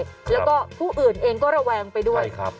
แล้วก็ผู้อื่นเองก็ระแวงไปด้วยครับ